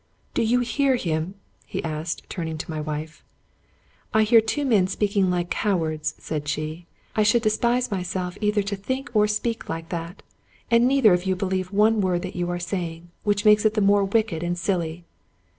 " Do you hear him? " he asked, turning to my wife. " I hear two men speaking like cowards," said she. " I should despise myself either to think or speak like that. And neither of you believe one word that you are saying, which makes it the more wicked and silly."